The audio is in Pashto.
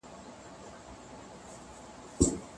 دولت باید د ماشومانو لپاره کتابونه برابر کړي.